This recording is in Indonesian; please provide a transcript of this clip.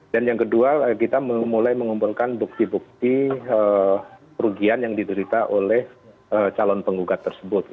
dan yang kedua kita mulai mengumpulkan bukti bukti perugian yang diderita oleh calon penggugat tersebut